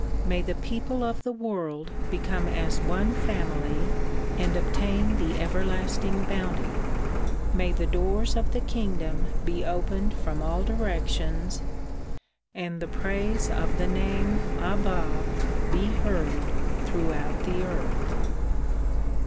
May the people of the world become as one family and obtain the everlasting iDOunty. May the doors of the kingdom be opened from all direc tions and the praise of the name Abha be heard throughout the earth.